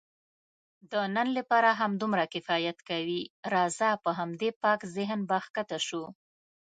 د نن لپاره همدومره کفایت کوي، راځه په همدې پاک ذهن به کښته شو.